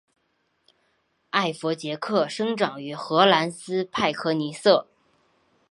艾佛杰克生长于荷兰斯派克尼瑟。